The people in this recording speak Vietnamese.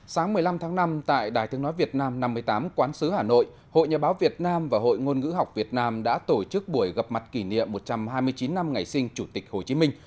sáng một mươi năm tháng năm tại đài thương nói việt nam năm mươi tám quán sứ hà nội hội nhà báo việt nam và hội ngôn ngữ học việt nam đã tổ chức buổi gặp mặt kỷ niệm một trăm hai mươi chín năm ngày sinh chủ tịch hồ chí minh